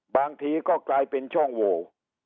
บางทีก็กลายเป็นช่องโว